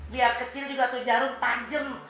biar kecil juga tuh jarum tajem